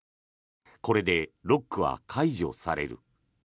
これでロックは解除される。